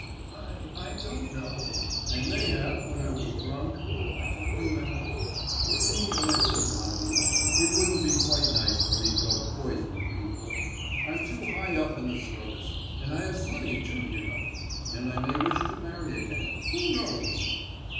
"I—I don't know—I may have when I was drunk—I don't remember. You see, Alexey Ivanovitch, it wouldn't be quite nice for me to go poisoning people. I'm too high up in the service, and I have money, too, you know—and I may wish to marry again, who knows."